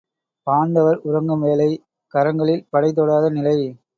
பாண்டவர் உறங்கும் வேளை, கரங்களில் படை தொடாத நிலை.